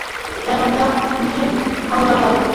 তার পিতা হাশেম হাওলাদার।